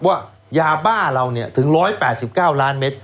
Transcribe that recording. ว่ายาบ้าเราเนี่ยถึงร้อยแปดสิบเก้าล้านเมตร